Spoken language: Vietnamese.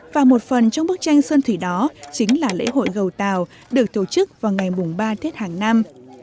và một phần trong bức tranh sơn thủy đó chính là lễ hội gầu tàu được tổ chức vào ngày ba tết hàng năm